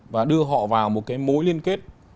và đưa họ vào một cái mối liên kết